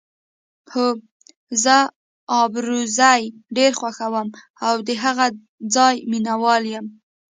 هو، زه ابروزي ډېره خوښوم او د هغه ځای مینه وال یم.